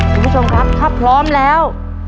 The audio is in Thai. คุณผู้ชมครับถ้าพร้อมแล้ว